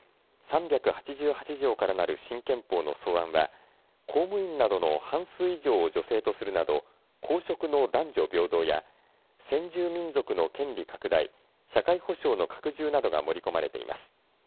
３８８条からなる新憲法の草案は公務員などの半数以上を女性とするなど公職の男女平等や先住民族の権利拡大、社会保障の拡充などが盛り込まれています。